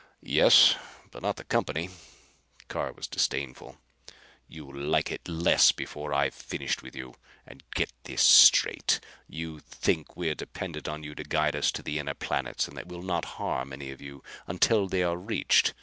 "Yes, but not the company." Carr was disdainful. "You'll like it less before I've finished with you. And get this straight. You think we're dependent on you to guide us to the inner planets, and that we'll not harm any of you until they are reached.